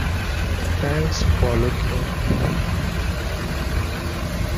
Thanks for looking.